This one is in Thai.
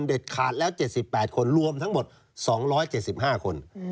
เด็ดขาดแล้ว๗๘คนรวมทั้งหมด๒๗๕คน